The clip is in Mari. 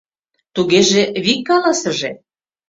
Тугеже вик каласыже!